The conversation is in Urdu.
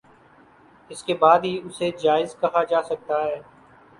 اس کے بعد ہی اسے جائز کہا جا سکتا ہے